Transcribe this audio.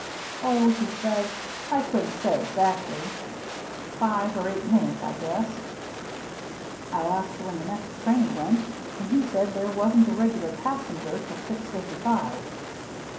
'Oh,' he says, 'I couldn't say exactly. Five or eight minutes, I guess.' I asked when the next train went, and he said there wasn't a regular passenger till six fifty five.